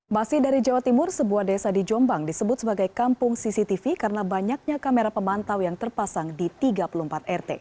masih dari jawa timur sebuah desa di jombang disebut sebagai kampung cctv karena banyaknya kamera pemantau yang terpasang di tiga puluh empat rt